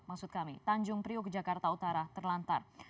maksud kami tanjung priok jakarta utara terlantar